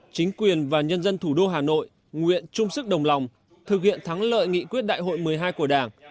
chính quyền và nhân dân thủ đô hà nội nguyện chung sức đồng lòng thực hiện thắng lợi nghị quyết đại hội một mươi hai của đảng